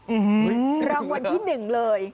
อื้อฮือรางวัลที่หนึ่งเลย